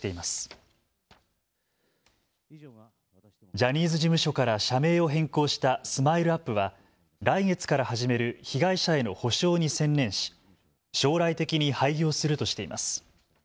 ジャニーズ事務所から社名を変更したＳＭＩＬＥ−ＵＰ．は来月から始める被害者への補償に専念し、将来的に廃業するとしています。